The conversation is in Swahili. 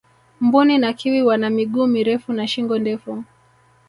mbuni na kiwi wana miguu mirefu na shingo ndefu